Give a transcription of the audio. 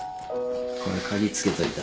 これ鍵つけといた